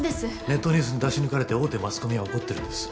ネットニュースに出し抜かれて大手マスコミは怒ってるんです